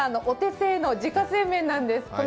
お手製の自家製麺なんです。